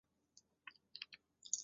现在人们仍称仁川站为下仁川站。